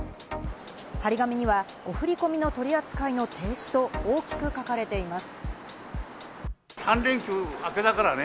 張り紙にはお振込の取扱いの停止と大きく書かれています。